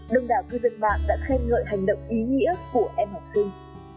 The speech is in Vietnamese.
đông đảo cư dân mạng đã khen ngợi hành động ý nghĩa của em học sinh